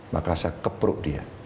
maka saya keperuk dia